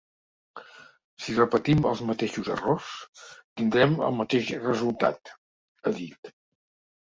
Si repetim els mateixos errors, tindrem el mateix resultat, ha dit.